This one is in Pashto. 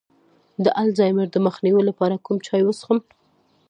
د الزایمر د مخنیوي لپاره کوم چای وڅښم؟